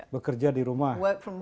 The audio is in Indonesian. bekerja di rumah